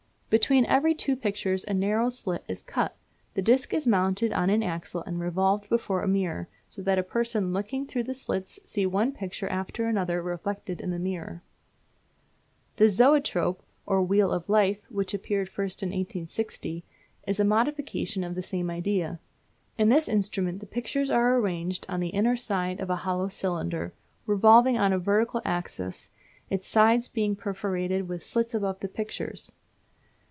Between every two pictures a narrow slit is cut. The disc is mounted on an axle and revolved before a mirror, so that a person looking through the slits see one picture after another reflected in the mirror. The zoetrope, or Wheel of Life, which appeared first in 1860, is a modification of the same idea. In this instrument the pictures are arranged on the inner side of a hollow cylinder revolving on a vertical axis, its sides being perforated with slits above the pictures.